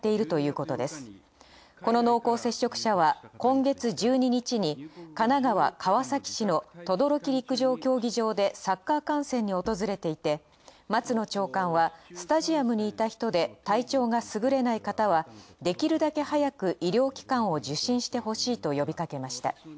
この濃厚接触者は、今月１２日に神奈川・川崎市の等々力陸上競技場でサッカー観戦に訪れていて、松野長官は「スタジアムにいた人で体調が優れない方はできるだけ早く医療機関を受診して欲しい」と呼びかけました。